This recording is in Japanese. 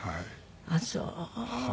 あっそう。